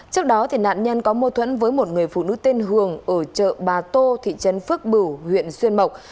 trước đó nạn nhân có mâu thuẫn với một người phụ nữ tên hường ở chợ bà tô thị trấn phước bửu huyện xuyên mộc